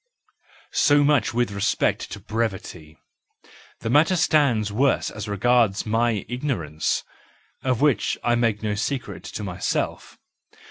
So much with respect to brevity; the matter stands worse as regards my ignorance, of which I make no secret to myself.